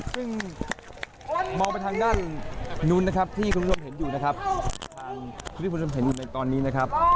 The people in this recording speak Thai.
ซึ่งมองไปทางด้านนู้นนะครับที่คุณผู้ชมเห็นอยู่นะครับทางที่คุณผู้ชมเห็นอยู่ในตอนนี้นะครับ